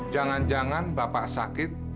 jangan jangan bapak sakit